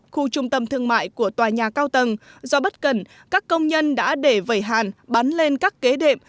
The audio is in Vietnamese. khu trung tâm thương mại của tòa nhà cao tầng do bất cần các công nhân đã để vẩy hàn bắn lên các kế đệm